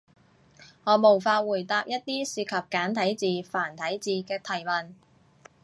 我無法回答一啲涉及簡體字、繁體字嘅提問